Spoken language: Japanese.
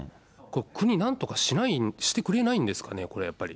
国、なんとかしてくれないんですかね、これはやっぱり。